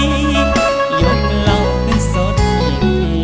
หยุดเหล่าขึ้นสดอย่างนี้